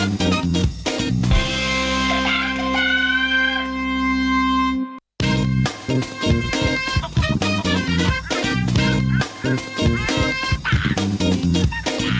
ฝรั่งโดยฝรั่งโดดเมีย